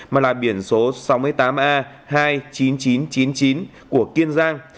mà là biển số sáu mươi tám a hai mươi chín nghìn chín trăm chín mươi chín của kiên giang